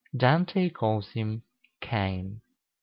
Dante calls him Cain